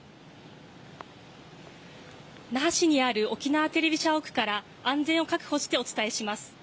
那覇市にある沖縄テレビ社屋から安全を確保してお伝えします。